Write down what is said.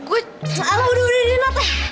udah udah deh nat